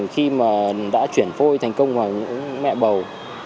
khi đã chuyển phôi thành công vào mẹ bầu